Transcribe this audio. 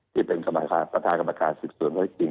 ที่เป็นตรฐากรรมการศึกษ์ส่วนและจริง